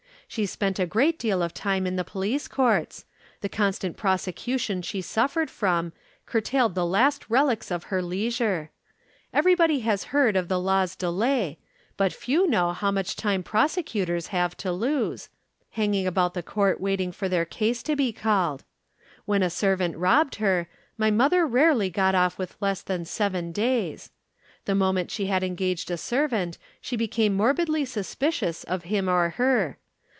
She spent a great deal of time in the police courts the constant prosecution she suffered from, curtailed the last relics of her leisure. Everybody has heard of the law's delay, but few know how much time prosecutors have to lose, hanging about the Court waiting for their case to be called. When a servant robbed her, my mother rarely got off with less than seven days. The moment she had engaged a servant, she became morbidly suspicious of him or her.